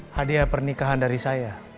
hadiah pernikahan dari saya